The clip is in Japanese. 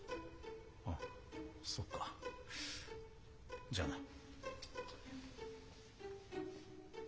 ああそうかじゃあな。